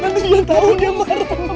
nanti dia tau dia marah